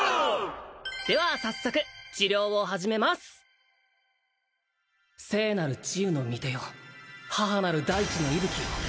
では早速治療を始めます聖なる治癒の御手よ母なる大地の息吹よ